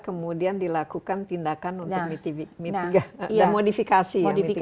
kemudian dilakukan tindakan untuk modifikasi